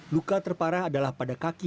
luka terparah adalah pada kaki